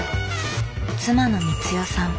妻の光代さん。